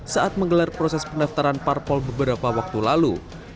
saat menggelar proses pendaftaran parpol beberapa waktu lalu